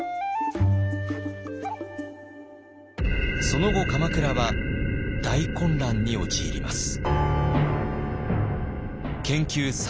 その後鎌倉は大混乱に陥ります。